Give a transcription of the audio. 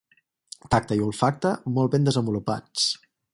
Tacte i olfacte molt ben desenvolupats.